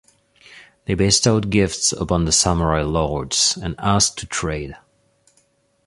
They bestowed gifts upon the "samurai" lords, and asked to trade.